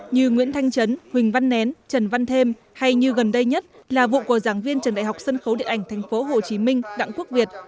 như nguyễn thanh trấn huỳnh văn nén trần văn thêm hay như gần đây nhất là vụ của giảng viên trường đại học sân khấu điện ảnh tp hcm đặng quốc việt